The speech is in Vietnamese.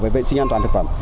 về vệ sinh an toàn thực phẩm